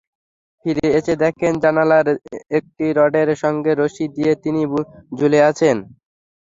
ফিরে এসে দেখেন জানালার একটি রডের সঙ্গে রশি দিয়ে তিনি ঝুলে আছেন।